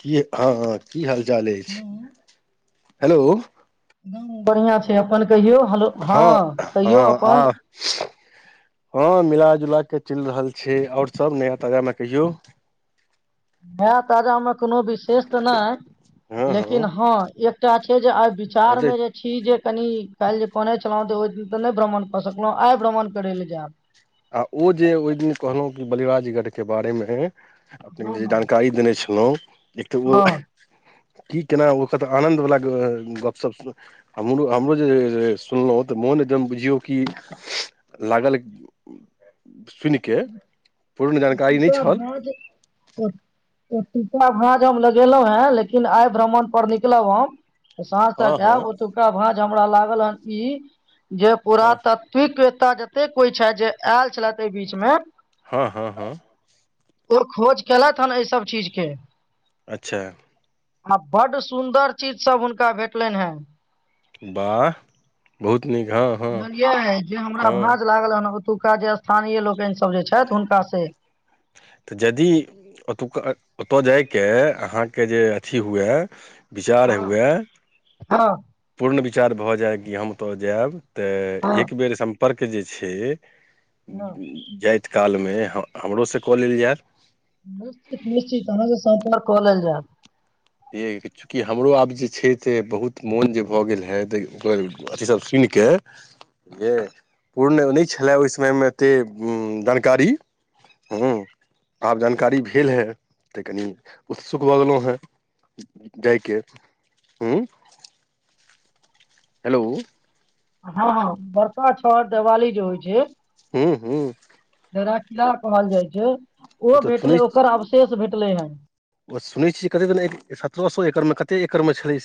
कि हँ की हाल चाल अछ हेलो हेलो। हूं, बढ़िआँ छै अपन कहियौ, हलो, हँ, कहियौ हँ अपन। आ हँ, मिलाजुला कऽ चलि रहल छै आओर सभ नया ताजामे कहियौ। नया-ताज़ा मे कोनो विशेष तऽ नहि लेकिन हँ, एकटा के जे आ विचार मे जे छी जे कनि काल्हि जे कहने छलहुँ तऽ ओहि दिन तऽ नहि भ्रमण कऽ सकलहुँ आइ भ्रमण करै लए जायब। आ ओ जे ओहि दिन कहलहुँ कि बलिराजगढ़ के बारे मे अपने हँ जे हँ जानकारी देने छलहुँ एतबो हँ की केना ओकर त आनन्दवला गपशप हमरो हमरो जे सुनलहुँ तऽ मोन एकदम बुझियौ कि लागल सुनि कऽ पूर्ण जानकारी नहि छल। [unintelligible] ओतूका भाँज हम लगेलहुं हें लेकिन आइ भ्रमण पर निकलब हम। [unintelligible] साँझ हँ तक हँ अएब ओतूका भाज। [unintelligible] हमरा लागल हन की। [unintelligible] जे हँ पुरातात्विक तऽ जते कोई छै जे आयल छलथि एहि बीच तमे ह- हँ- हँ। [unintelligible] ओ खोज कयेलथि हन एहिसभ चीजके। [unintelligible] अच्छा। [unintelligible] आ बड्ड सुन्दर चीजसभ हुनका भेटलनि हेँ। [unintelligible] वाह बहुत। [unintelligible] हँ जानलियै जे हमरा हँ भाँज लागल ह। [unintelligible] एतुका जे स्थानीय लोकनि सब जे छथि हुनका से। [unintelligible] तऽ यदि ओतुक्का ओतय जाय कऽ अहाँके जे अथि हुए। [unintelligible] विचार हँ हुए हँ [unintelligible] पूर्ण वि। [unintelligible] विचार भऽ जाय कि हम ओतऽ जायब। [unintelligible] तऽ हँ एक बेर सम। [unintelligible] परर्के जे छै। [unintelligible] जाइ। [unintelligible] काल मे हमरो- सब। [unintelligible] क लेल जे। [unintelligible] निश्चित, निश्चित अहाँ सँ सम्पर्क कऽ लेल जाय। [unintelligible] येइ हिचकी हमरो आबय छै। तेँ बहुत मोन जे भऽ गेल हे तय अथीसभ सुनि कऽ जे पूर्ण नहि छलए ओहि समयमे एतेक जानकारी हँ आब जानकारी भेल हे तऽ। [unintelligible] कनि उत्सुक भऽ गेलहुँ हेँ। [unintelligible] जाइके हँ। [unintelligible] [unintelligible] हेलो। [unintelligible] हँ- हँ बड़का छहर देवाली जे होइ छै। [unintelligible] ह्मँ -ह्मं। [unintelligible] धरा खीराा कहल जाइत छै। [inaudible] ओ तऽ भेटलै सुनै ओकर अवशेष भेटलै। चले ह। [unintelligible] ओ सुनै छियै कतेक दिन सत्रह- सए एकड़मे कतेक एकड़मे छलै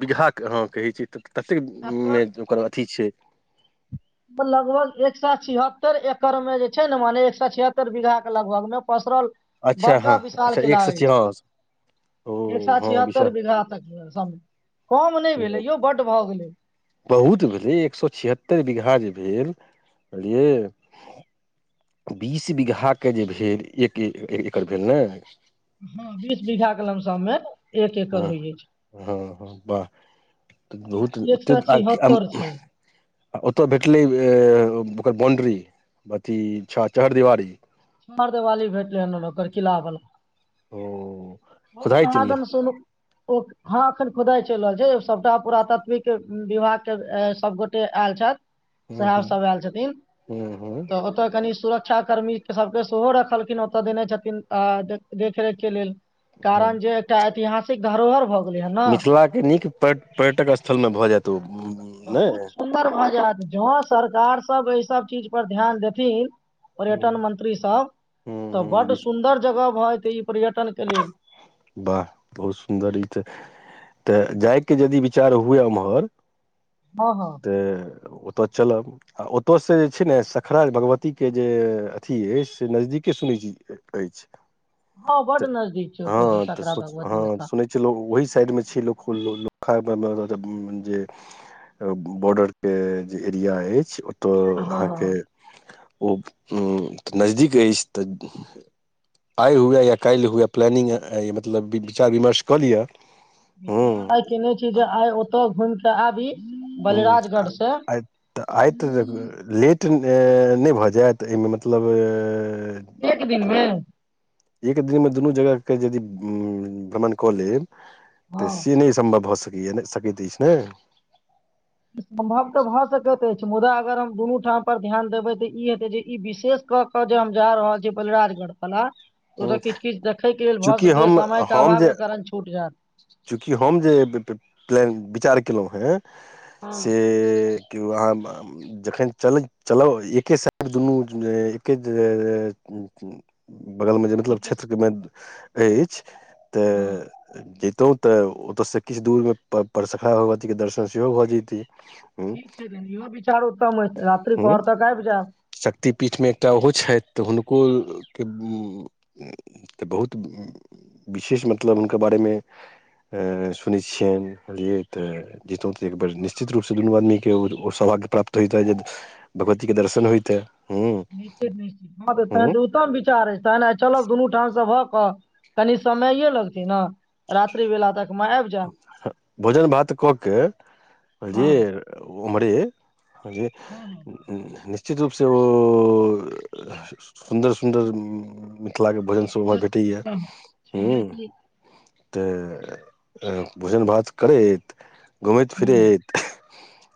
-बीघाके अहाँ कहैत छै तऽ। ततेक एकर -मे ओकर अथी छै। लगभग एक सए छिहत्तर एकड़ में जे छै ने मने एक सए छिहत्तर बीघा के लगभग मे प। पड़ल अच्छा बड़का हँ विशाल अच्छा के एक सए लागै छै छियास ओ [unintelligible] एक सए हँ विशा छिहत्तर बीघा तक समय कम नहि भेलैो बड भए गेले। बहुत भेलै एक सए छिहत्तरि बीघा जे भेल [unintelligible] बूझलियै बीस बीघाके जे भेल एक एकर भेल ने। [unintelligible] हँ बीस बीघा क लमसममे। [unintelligible] हँ- हँ -हँ वाह -बहुत छै एक सए ओेक छिहत्तर छै ओतऽ -भेटलै। ओकर बाउंड्री अथी छहर दिवारी। [unintelligible] छहर देवाली भेटल लोक किला भला। [unintelligible] ओ। [unintelligible] ब खुदाइ कह चलि दन सुोनू ओ हँखर [inaudible] खुदाइ चलि रहल छै सबटा पुरातात्विक विभाग के सब गोटे आयल छथि हूँ साहेब हूँ सभ आयल छथिन हूँ हूँ तऽ ओतय कनि सुरक शिक्षा कर्मी सबके सेहो रखलखिन ओतऽ देने छथिन आ देखरेख के लेल हूँ कारण जे एकटा ऐतिहासिक धरोहर भऽ गेलै हन ने मिथिलाके नीक पर्यटक स्थलमे भऽ जायत ओ बहुत नहि सुन्दर भ जायत जों सरकार सब एहि सब चीज पर ध्यान देथिन हूँ पर्यटन मंत्री सब हूँ तऽ हूँ बड्ड बिस सुन्दर जगह भ जेते ई पर्यटनक के लेल वाह बहुत सुन्दर ई तऽ तऽ जायके यदि विचार हुए उम्हर हँ हँ त ओतऽ चलब आ ओतऽसँ जे छै ने सखरा भगवतीके जे अथी अछि से नजदीके सुनै छी अछि हँ बड तऽ नजदीक छै ओतय से हँ तऽ सकरा सो हँ भगवती स्थान सुनै छै ओहि साइड मे छै लोक जे बॉर्डर के जे एरिया अछि तऽ हँ अहाँके हँ ओ उ नजदीक अछि तऽ आइ हुए या काल्हि हुए प्लानिंग मतलब विचार विमर्श कऽ लिअ हूँ विचार आइ केने छी जे आइ ओतय घुम केे तऽ आबी ह बलिराजगढ़ से आय आत लेट ट नहि भऽ जाय त एहिमे मतलब एक दिनमे एक दिनमे दुनू जगहके यदि भ्रमण कऽ लेब तऽ हँ से नहि सम्भव भ सकै ई ने सकी ने [unintelligible] सम्भव तऽ भऽ सकैत अछि मुदा अगर हम दुनू ठाम पर ध्यान देबै तऽ ई हेतै जे ई विशेष कऽ कऽ जे हम जा रहल छी बलिराजगढ़ बला ओ तऽ किछु किछु देखयके लेल भऽ चूँकि सकै हम समयके हम अभाव जे के कारण छूट जायत चूँकि हम जे प्लान विचार केलहुँ हे [unintelligible] से। हँ केओ अहाँ जखन चल चलउ एके साइड दुनू एके। [unintelligible] बगलमे जे मतलब देखियौ, क्षेत्रकेमे। [unintelligible] अछ। [unintelligible] [unintelligible] हँ तऽ। जैतहुँ तऽ ओतऽसँ किछु दूरमे परसखा भगवतीके दर्शन सेहो भऽ जैतै ह ठीक छै त इहो बिचारू उत्तम अई रात्रि ह पहरतक आबि जायब कूल के त बहुत विशेष मतलब बारेमे- सुनैत छियनि बुझलियै तऽ जतहुँ तऽ एक बेर निश्चित रूपसँ दुनू आदमीके ओ सौभाग्य प्राप्त होइत जे भगवतीके दर्शन होइते। निश्चित- निश्चित हँ तऽ तहन तऽ उत्तम विचार अछि तहन आ चलब दुनू ठामसँ भ। कनी समये लगतै ने। [unintelligible] रात्रि बेला तक मे आबि जायब [unintelligible] भोजन भात कऽ के जे। हँ [unintelligible] ओरे। [unintelligible] [unintelligible] ज। हँ हँ निश्चित रूप से [unintelligible] ओ सुन्दर- सुन्दर। मिथिलाके भोजन सुन्दर सबहर सुन्दर भेटैया एकदम ह। छैहे [unintelligible] कि [unintelligible] तऽ भोजन भात करैत। [unintelligible] घुमैत हँ फिरैत। [unintelligible]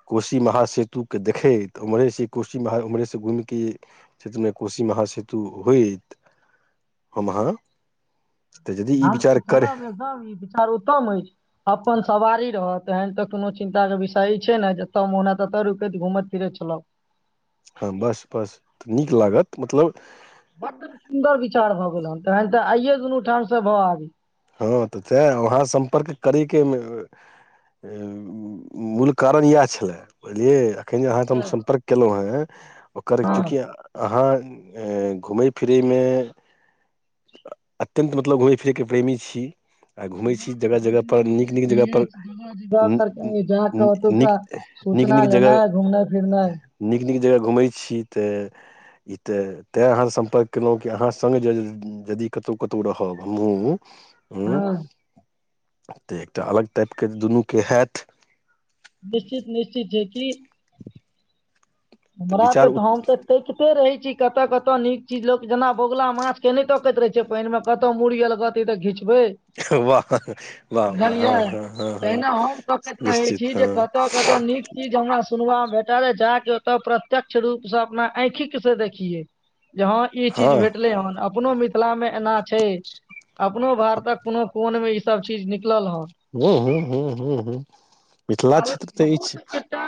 कोशी महासेतुकेँ देखैत ओम्हरेसँ कोशी महा ओम्हरेसँ घूमिके क्षेत्रमे कोशी महासतु होइत हम अहाँ। [unintelligible] तऽ जदि ई हम तऽ विचार। [unintelligible] ई विचार उत्तम अछि अपन सवारी। [unintelligible] तहन तऽ कोनो चिन्तााक के विषय छै ने जतऽ महना ततऽ रुकैत घूमैत फिरैत छलहु। [unintelligible] हँ बस -बस तऽ नीक लागत मतलब। [unintelligible] बड् सुन्दर विचार भऽ गेल हन तहन तऽ आइयए। [unintelligible] ठ स भाव आवी। [unintelligible] हँ तऽ तै वहाँ सम्पर्क करैके [unintelligible] मूल कारण इएह छलै बुझलिए। जखन जे अहाँ तऽ हम अच्छा सम्पर्क केलहुँ हेँ। [unintelligible] ओकर हँ चूँकि अहाँ। [unintelligible] घुम फिरे मे [unintelligible] अत्यंत मतलब घुमे फिरे के प्रेमी छै। छी। [unintelligible] हमरा छी तऽ जगह बड नीक जगहपर लगैत रह जगहपर जगह -जगह पर कही जााकऽ ओतुका नीक सूचना नीक जगह लेना है घुमनाइ फिरनाइ। [unintelligible] नीक नीक जगह घुमै छी ते ई ते -तें अहाँस सम्पर्क केलहुं कि अहाँ सग यदि कतहु कतौ रहब हमहुँ। [unintelligible] ह। [unintelligible] हँ। [unintelligible] तऽ एकटा अलग टाइपके- दुनूके हैत। [unintelligible] निश्चित निश्चित छै किी तऽ हमरा ते विचार धाम ते तेकते रहै छै कतय कतय नीक चीज लोक जेना बगुला माछ के नहि तकैत रहे छै पानि मे कतौ मड़ीियल गत घीच वाह -वाह -वाह हँ बुझलियै -हँ- हँ -हँ तहिना हम तकैत रहै छी निश्चित हँ। जे [unintelligible] बेटा रह जा के। [unintelligible] तऽ प्रत्यक्ष रूप से अपना आँखिक से देखियए। [unintelligible] जे हँ ई चीज हँ भेटलै हन अपनो मिथिला मे एना छै अपननो भार तक कोनो कोनमे इ सब चीज निक ह हू हू हू हू मिथिला आर क्षेत्र तऽ ई बहुत छै एकटा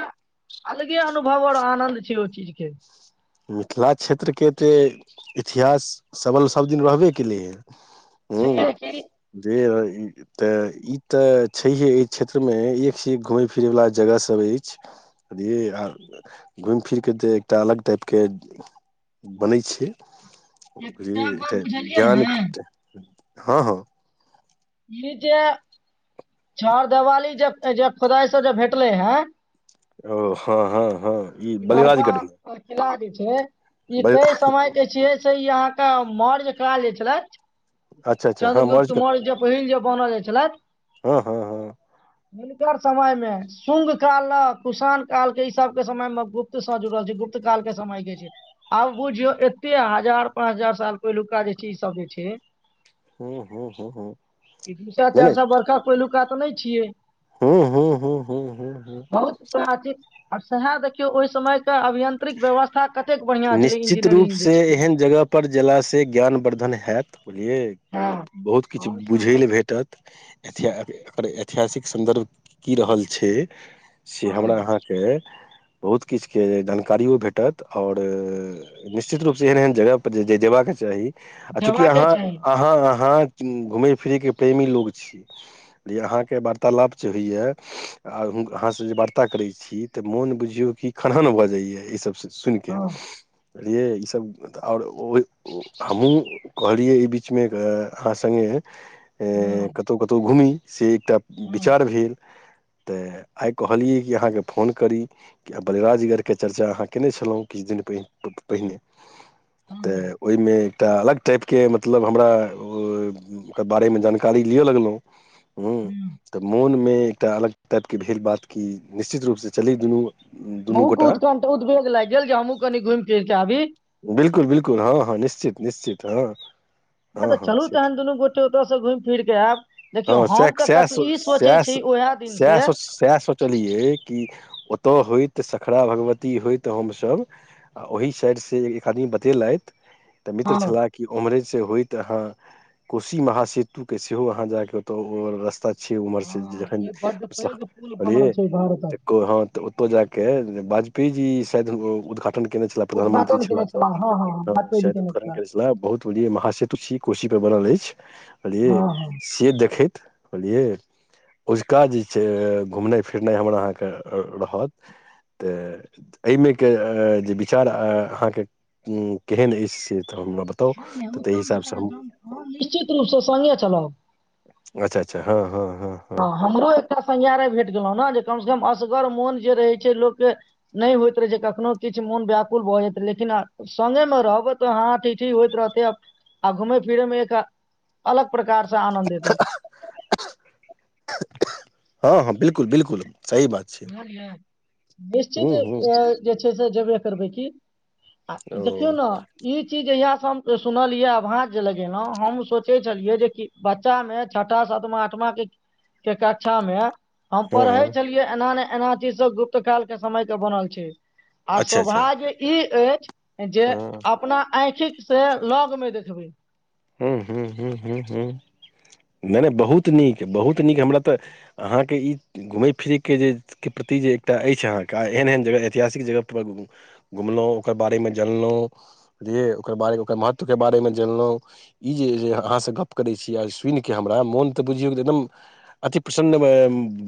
अलगे अनुभव आओर आनन्द छै ओहि चीज के मिथिला क्षेत्रके तऽ इतिहास सबवल सभदिन रहबे केलैएेँ हू छैहे कि दे भइ ते ई ते छैहे एहि क्षेत्र मे एक से एक घूमे फिरे वालला जगह सब अछि बझलिय आ घूमि फिर के त एकटा अलग टाइप के के बनै छै बुझल एकटा गप एतऽ बुझलियै ज्ञान ने हँ हँ ई जे छर देवाली जे जे खुदाइसँ जे भेटलै हे ओ हँ हँ हँ ई बलिवाजकेटमे ह ई क समय के छियै ई अहाँके मर जे करल जे छलथि अच्छा अच्छा हँ चन्द्रगुप्त मर्जगढ़ मौर्य ज पहिल जे बनल जाइ छलै हँ हँ हँ हुनकर समय मे शंग काल ल कुसाण काल के ई सब के समय मे गुप्त से जुड़ल छै गुप्त काल के समय के छै आब बुझियौ एते हजार पाँच हजार साल पहिलुका जे छै ई सब जे छै हूँ हूँ हूँ हूँ ीस चारि स बर्षा पहिलुका तऽ नहि जी हू हू हू हू ह ह आओ सह देख क ओहि समय के अभियंत्रिक व्यवस्था कतेक बढ़ियां छलै निश्चित इंजीनियरिंग रूपसँ जे छै एहन जगह पर जेलासँ ज्ञानवर्द्धन हयैत बुझलियै हँ बहुत किछु बुझय हमसब लए भेटत एति, एकर ऐतिहासिक सन्दर्भ की रहल छै। से हँ हमरा अहाँके। बहुत किछु के। कारियो भेटत, और निश्चित रूप से एहन- एहन जगह पर जे जेयबाक चाही। आ चूँकि जेबाके अहाँ चाही अहाँ अहाँ घूमे फिरे के प्रेमी लोग छी ल अहाँ के वार्तालाप जे होइया आ अहाँ से जे वार्ता करे छी ते मोन बुझियो क खनहन भ जाया ई सबसे। सुन कऽ। हँ बुझलियै, ई सब आओर हमहुँ कहलियै ई बीच मे अहाँ संगे। अ हँ कत्तो- कतौ घुमी। से। एकटा हँ विचार भेल। तऽ आइ कहलियै, कि अहाँके फोन करी कि बलिराजगढ़ के चर्चा। जे अहाँ कयने छलहुँ किछु दिन पहि पहिने। हँ हँ तऽ ओहिमे। त अलग टाइपके मतलब हमरा बारे में जानकारी लिअ लगलहुँ। ह हूँ तऽ मोन में। एकटा अलग टाइप के भेल बात की निश्चित रूप से चली दुनू। मुू दुनू गोटा कूत कम। उद्ववेग लागि गेल जे, हमहुँ कनी घुमि-फिर के आबी। बिल्कुल बिल्कुल हँ हँ निश्चित- निश्चित हँ। हँ तऽ चलू तेन दुनू गोटे ओतयसँ घूमि-फिरि कऽ आयब, देखियौ हँ सएह हम तऽ सएह कखन सो- ई सोचै सएह छी सो- उएह सएह दिनसँ। सो- त होइत सखरा भगवती होइत हमसभ आ ओहि साइड। से एक आदमी बतेलैथि। तऽ मित्र हँ छलाह कि ओम्हरे। से होयइत अहाँ कोशी महासेतु के सेहो अहाँ जाके ओतऽ रस्ता। छै उम्हर से हँ जखन ई बड्ड पैघ पुल बनल छै भारतक हँ, त ओतऽ जाके बाज। पेजी शायद उद्धघाटन। केने छलाह प्रधानमंत्री उद्घाटन छलाह। केने हँ हँ हँ, ह वाजपेयी जी शायद उद्धघाटन केने छलाह, बहुत बड़ी महासेतु। कोशी पर बनल अछि। लिय हँ हँ से देखैत। अजुका जे घुमनाई- फिरनाई रतह एहिमें विचार अहांक। ह केहन अछि से। तऽ हमरा बताउ न-न तऽ ताहि उमच हिसाबसँ हम निश्चित रूपसँ सङ्गे छलहु। अच्छा अच्छा [unintelligible] हँ- हँ। [unintelligible] हँ हमरो एकटा संयार। [unintelligible] भेट गेलहु ने जे कम से कम असगर मोन जे रहै छै लोक के नहि होइत रहे छै कखनो किछु मोन व्याकुल भऽ जेतै लेकिन सगे मे रहबै तऽ हा ठीठी होइत रहतै आ घूमे फिरे मे एक अलग प्रकार से आनन्द एतै। [unintelligible] हँ -हँ बिलकुल- बिलकुल। [unintelligible] छै ह हूँ निश्चित हूँ अ जे छै से जेबै। करबैइ की। आ ओ देखियौ ने ई चीज जहिया। हम सुनल ये अभाज जे लगेलहु हम सोचे छलियै जे बच्चा मे छठा सदमा आठव के के कक्षा मे। [unintelligible] हम हँ पढ़ै हँ छलियै। [unintelligible] एना चीज सब गुप्त काल के समय के बनल छै। [unintelligible] आ अच्छा अच्छा शोभा्य ई अछि। [unintelligible] जे हँ अपना आँखिक। [unintelligible] से लग मे देखबै। [unintelligible] ह्मँ्म ह्मँ्म ह्मँ हँ ह्मँ नहि नहि बहुत नीक बहुत नीक हमरा तऽ अहाँके ई घूमय फिरैके जेके प्रति जे [unintelligible] एकटा अछि अहाँकेँ आ एहन- एहन जगह ऐतिहासिक जगहपर घुमलहुँ ओकर बारेमे जानलहुँ बुझलियै ओकर बारे ओकर महत्वके बारेमे जानलहुँ। ई जे अहाँसँ गप्प करैत छी आ सुनि कऽ हमरा मोन तऽ बुझियौ तऽ एकदम अति प्रसन्न। [unintelligible]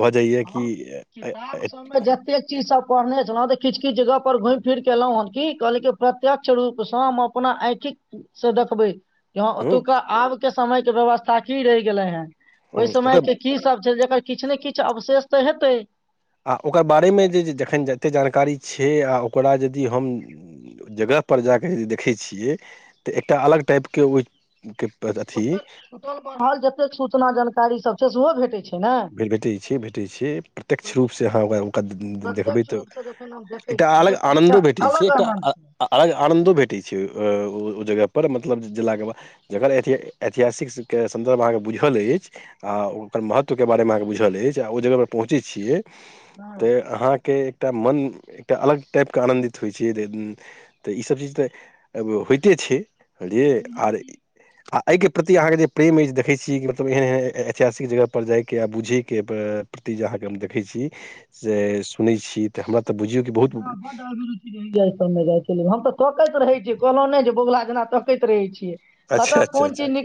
कि हँ किताब हूँ सबमे जतेक चीज सब पढ़ने छ। [unintelligible] तऽ किछु -किछु जगह पर घुमि फिर के एलं हन क कि कहली प्रत्यक्ष रूपसँ हम अपना आँखिक से देखबै। [unintelligible] य ओतुका आब के। समय के व्यवस्था की रहि गेलै हेँ। [unintelligible] ओहि हूँ समय ओकर के की सब छै जे। [unintelligible] किछ ने किछु। [unintelligible] अवशेष तऽ हेतै। [unintelligible] आ ओकर बारेमे जे जखन -जतेक जानकारी छै आ ओकरा यदि हम -जगहपर जा कऽ यि देखैत छियै तऽ एकटा अलग टाइपके ओहिके। [unintelligible] ओ जते सूचना जानकारी सब। [unintelligible] त सेहोहो भेटै छै। [unintelligible] भे भेटैत छै -भेटैत छै ओहि प्रत्यक्ष रूपसँ अहाँ ओ हनका -देखबै प्रत्यक्ष तऽ रूप से जखन हम देखै एकटा अलग छियै तऽ आनन्दो एकटा भेटैत छै अलग -एकटा आनन्द छै अलग आनन्दो भेटैत छै। [unintelligible] ओ -ओ जगहपर मतलब गेलेलाके बाद जकर ऐतिहासिकके सन्दर्भ अहाँके बुझल अछि आओ ओकर महत्व। के बारे मे अहाँ बुझल आ ओ जग पर पहुँच छियै। [unintelligible] तऽ अहाँके। [unintelligible] एकटा मन एकटा अलग टाइपके आनन्दित होइ छै तऽ ईसभ चीज तऽ होइते छै। [unintelligible] [unintelligible] बझलिय आर। हँ एहिके प्रति अहाँके जे प्रेम अछि देखै छी -मतलब एहन -एहन ऐतिहासिक जगह। पर जाय के बुझे के प्रति जे अहाँके हम देखै छी से सुनै छी तऽ हमरा। तऽ बुझियौ कि बहुत हम बडड हम तऽ ठोकैत रहै छी। [unintelligible] कहलहु ने जे बगुला जेना तकैत रहे छियै। कत अच्छा अच्छा कोन चीज निकल